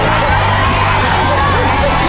อีกครั้งเดี๋ยว